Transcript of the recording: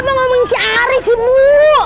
kamu mencari sih buuuh